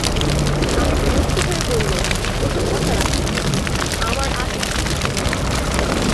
আমি বিরক্ত হয়ে বললুম, ও-সব কথা রাখো, আমার আর একটুও সময় নেই।